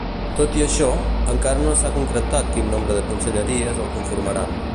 Tot i això, encara no s’ha concretat quin nombre de conselleries el conformaran.